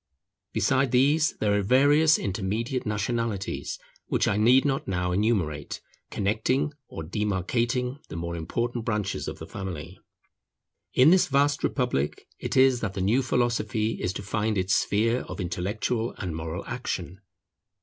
Besides these, there are various intermediate nationalities which I need not now enumerate, connecting or demarcating the more important branches of the family. In this vast Republic it is that the new philosophy is to find its sphere of intellectual and moral action.